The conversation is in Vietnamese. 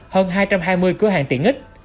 hơn hai trăm hai mươi cửa hàng tiện ích